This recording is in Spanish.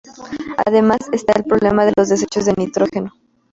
Además está el problema de los desechos de nitrógeno.